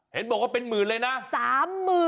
เห็นบอกว่าเป็นหมื่นเลยนะ